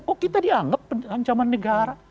oh kita dianggap ancaman negara